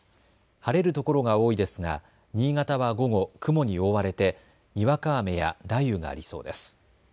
晴れるところが多いですが新潟は午後、雲に覆われてにわか雨や雷雨がありそうです。